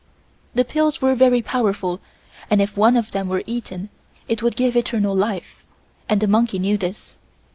These pills were very powerful and if one of them were eaten it would give eternal life, and the monkey knew this.